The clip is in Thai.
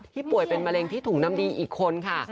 ป่วยเป็นมะเร็งที่ถุงน้ำดีอีกคนค่ะ